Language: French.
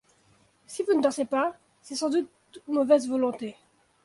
Si vous ne dansez pas, c’est sans doute mauvaise volonté.